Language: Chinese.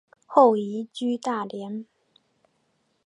后移居大连。